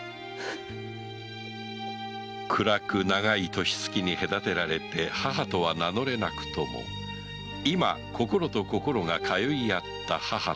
暗く長い年月に隔てられて母とは名乗れなくとも今心と心が通い合った母と子